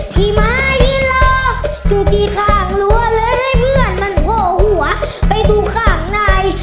พี่มายินลออยู่ที่ทางรัวเลยให้เพื่อนมันโภหัวไปดูข้างใน